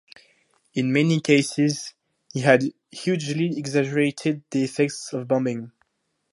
In many cases, he had hugely exaggerated the effects of bombing.